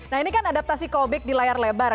nah ini kan adaptasi covid di layar lebar